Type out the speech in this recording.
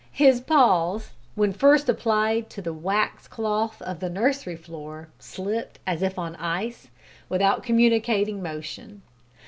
His paws, when first applied to the wax cloth of the nursery floor, slipped as if on ice, without communicating motion.